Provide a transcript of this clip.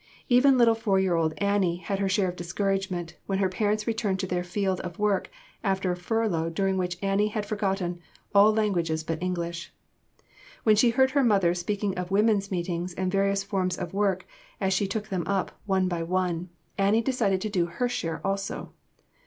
Even little four year old Annie had her share of discouragement when her parents returned to their field of work after a furlough during which Annie had forgotten all languages but English. When she heard her mother speaking of women's meetings and various forms of work as she took them up, one by one, Annie decided to do her share also.